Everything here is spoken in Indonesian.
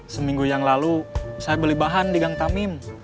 seminggu yang lalu saya beli bahan di gang tamim